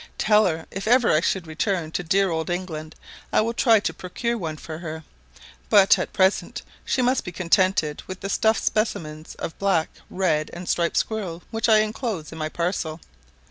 Tell her if ever I should return to dear old England, I will try to procure one for her; but at present she must be contented with the stuffed specimens of the black, red, and striped squirrels which I enclose in my parcel.